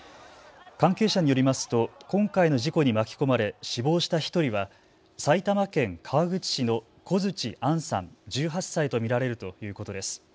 関係者によりますと今回の事故に巻き込まれ死亡した１人は埼玉県川口市の小槌杏さん、１８歳と見られるということです。